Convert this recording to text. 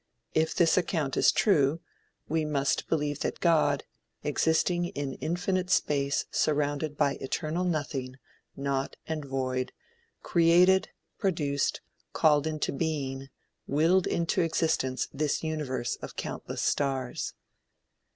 If this account is true, we must believe that God, existing in infinite space surrounded by eternal nothing, naught and void, created, produced, called into being, willed into existence this universe of countless stars.